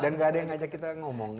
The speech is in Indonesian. dan nggak ada yang ngajak kita ngomong ya